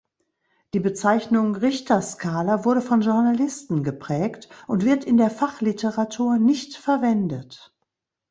Die Bezeichnung „Richterskala“ wurde von Journalisten geprägt und wird in der Fachliteratur nicht verwendet.